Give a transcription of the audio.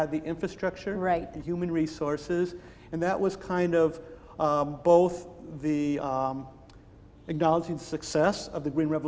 di mana mereka bisa memuatkan harga pasar